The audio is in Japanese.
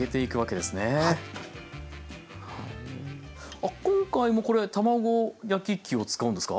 あ今回もこれ卵焼き器を使うんですか？